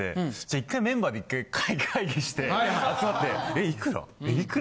１回メンバーで会議して集まっていくら？